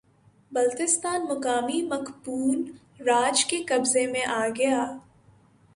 بلتستان مقامی مقپون راج کے قبضے میں آگیا